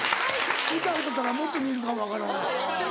歌歌うたらもっと似るかも分からんから。